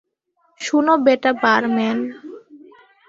শোন বেটা বারম্যান।